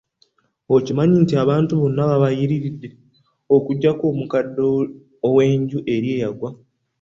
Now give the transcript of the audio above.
Okimanyi nti abantu bonna babayiriridde okuggyako omukadde ow'enju eri eyagwa.